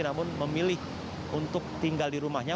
namun memilih untuk tinggal di rumahnya